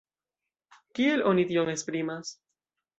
Kiel oni tion esprimas?